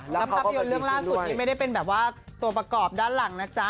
แล้วภาพยนตร์เรื่องล่าสุดนี้ไม่ได้เป็นแบบว่าตัวประกอบด้านหลังนะจ๊ะ